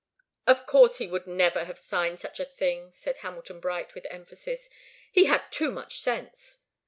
"Of course he would never have signed such a thing!" said Hamilton Bright, with emphasis. "He had too much sense."